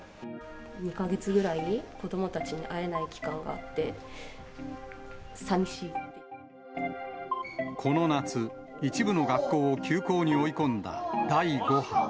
２か月ぐらい、子どもたちにこの夏、一部の学校を休校に追い込んだ第５波。